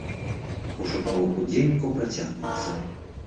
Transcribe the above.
Пошук новых удзельнікаў працягваецца.